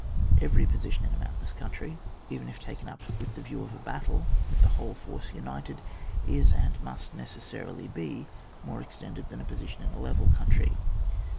Every position in a mountainous coun try, even if taken up with the view of a battle with the whole force united, is and must necessarily be more extended than a position in a level country.